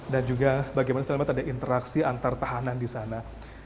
dan juga bagaimana saya melihat ada interaksi antartahanan di sana